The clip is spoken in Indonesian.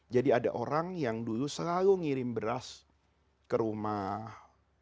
jadi ada orang yang dulu selalu ngirim beras ke rumah